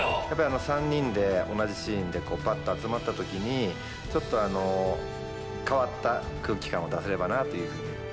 やっぱり３人で同じシーンでパッと集まった時にちょっと変わった空気感を出せればなというふうに。